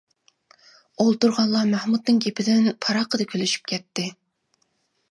ئولتۇرغانلار مەخمۇتنىڭ گېپىدىن پاراققىدە كۈلۈشۈپ كەتتى.